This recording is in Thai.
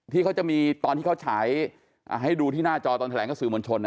ที่เขาจะมีตอนที่เขาฉายให้ดูที่หน้าจอตอนแถลงกับสื่อมวลชน